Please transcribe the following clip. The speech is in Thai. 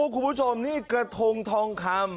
คุณผู้ชมนี่กระทงทองคำ